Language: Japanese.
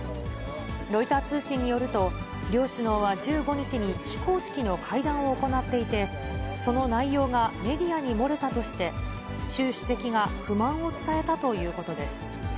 ロイター通信によると、両首脳は１５日に非公式の会談を行っていて、その内容がメディアに漏れたとして、習主席が不満を伝えたということです。